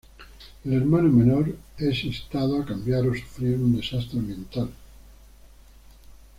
El hermano menor es instado a cambiar o sufrir un desastre ambiental.